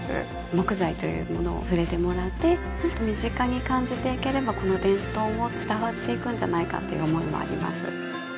木材というものを触れてもらってもっと身近に感じていければこの伝統も伝わっていくんじゃないかっていう思いもあります